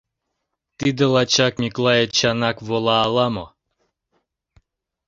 — Тиде лачак Миклай Эчанак вола ала-мо?..